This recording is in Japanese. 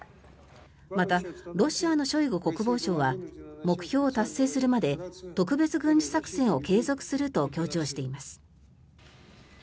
またロシアのショイグ国防相は目標を達成するまで特別軍事作戦を継続すると強調しています。